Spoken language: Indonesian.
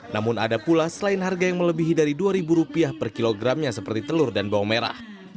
namun ada pula selain harga yang melebihi dari rp dua per kilogramnya seperti telur dan bawang merah